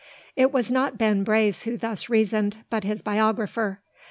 It was not Ben Brace who thus reasoned, but his biographer.